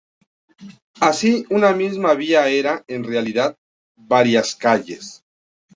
Así, una misma vía era, en realidad, varias calles.